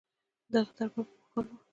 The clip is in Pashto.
د هغه په دربار کې پوهان وو